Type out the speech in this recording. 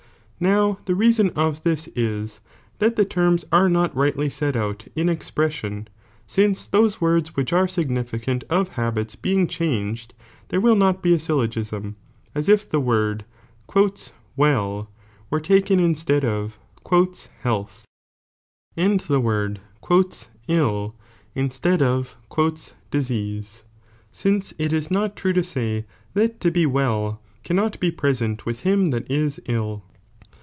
Now the reason of tbia is, that the terms are not rightly set out in expression, since those words which ftre significant of habits being changed, there will not be a syllogiam, as if ihe word "well" were taken instead of "health," and the word "ill" instead of "" ease," since it is not true to say, that to be well cannot be _ sent with him that is ill.